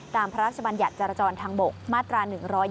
พระราชบัญญัติจรจรทางบกมาตรา๑๒